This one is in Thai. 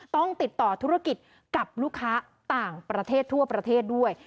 ต้องติดต่อธุรกิจกับลูกค้าต่างประเทศทั่วประเทศด้วย